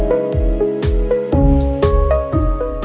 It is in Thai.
โปรดติดตามตอนต่อไป